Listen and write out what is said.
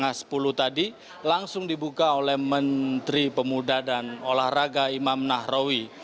tanggal sepuluh tadi langsung dibuka oleh menteri pemuda dan olahraga imam nahrawi